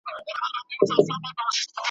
هامان وویل زما سر ته دي امان وي `